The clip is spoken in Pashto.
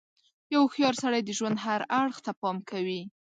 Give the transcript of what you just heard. • یو هوښیار سړی د ژوند هر اړخ ته پام کوي.